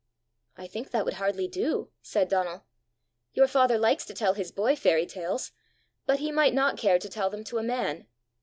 "I think that would hardly do," said Donal. "Your father likes to tell his boy fairy tales, but he might not care to tell them to a man.